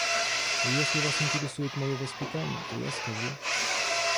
Если вас интересует моё воспитание, то я скажу.